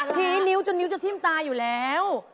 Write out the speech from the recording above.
เพลงอะไรนะชี้นิ้วจนทิ้มตาอยู่แล้ว